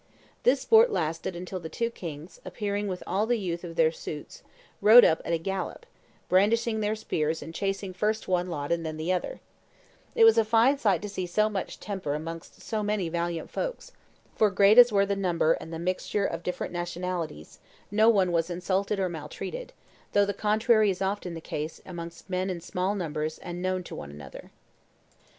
This sport lasted until the two kings, appearing with all the youth of their suites, rode up at a gallop, brandishing their spears and chasing first one lot and then the other It was a fine sight to see so much temper amongst so many valiant folks, for great as were the number and the mixture of different nationalities, no one was insulted or maltreated, though the contrary is often the case amongst men in small numbers and known one to another."